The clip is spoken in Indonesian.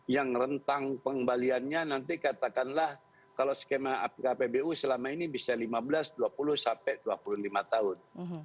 yang rentang pengembaliannya nanti katakanlah kalau skema kpbu selama ini bisa lima belas dua puluh sampai dua puluh lima tahun